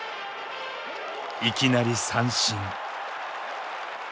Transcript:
いきなり三振。